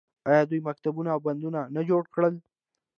آیا دوی مکتبونه او بندونه نه جوړ کړل؟